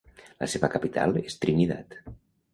La seva capital és Trinidad.